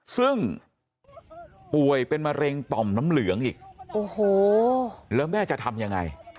ซึ่งป่วยเป็นมะเร็งต่อมน้ำเหลืองอีกโอ้โหแล้วแม่จะทำยังไง